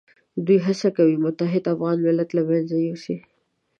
دوی هڅه کوي متحد افغان ملت له منځه یوسي.